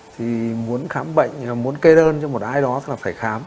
thì muốn khám bệnh muốn kê đơn cho một ai đó là phải khám